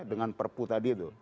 dengan perpu tadi itu